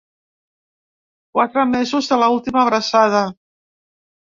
Quatre mesos de l’última abraçada.